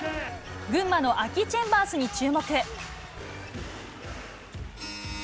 群馬のアキ・チェンバースに注目。